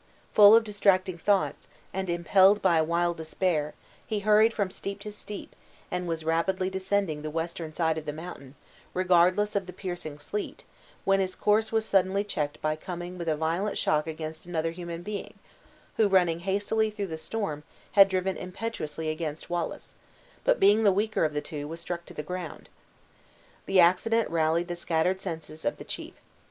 Full of distracting thoughts, and impelled by a wild despair, he hurried from steep to steep, and was rapidly descending the western side of the mountain, regardless of the piercing sleet, when his course was suddenly checked by coming with a violent shock against another human being, who, running as hastily through the storm, had driven impetuously against Wallace; but, being the weaker of the two, was struck to the ground. The accident rallied the scattered senses of the chief.